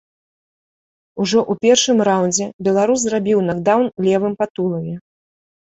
Ужо ў першым раўндзе беларус зрабіў накдаўн левым па тулаве.